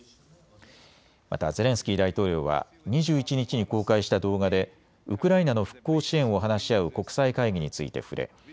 またゼレンスキー大統領は２１日に公開した動画でウクライナの復興支援を話し合う国際会議について触れ